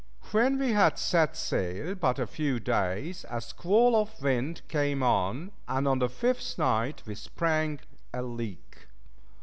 When we had set sail but a few days, a squall of wind came on, and on the fifth night we sprang a leak.